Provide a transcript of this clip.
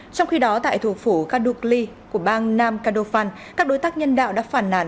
trong khi đó tại thủ phủ kadukli của bang nam kdofan các đối tác nhân đạo đã phản nàn